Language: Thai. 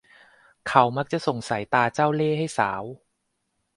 เขามักจะส่งสายตาเจ้าเล่ห์ให้สาว